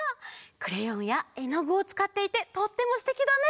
クレヨンやえのぐをつかっていてとってもすてきだね。